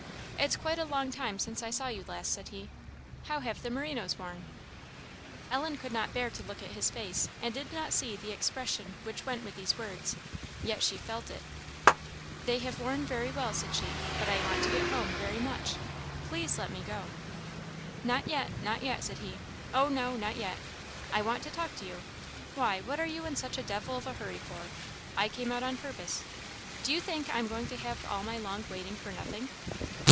"It's quite a long time since I saw you last," said he "how have the merinoes worn?" Ellen could not bear to look at his face, and did not see the expression which went with these words; yet she felt it. "They have worn very well," said she; "but I want to get home very much please let me go." "Not yet, not yet," said he "oh no, not yet. I want to talk to you; why, what are you in such a devil of a hurry for? I came out on purpose; do you think I am going to have all my long waiting for nothing?"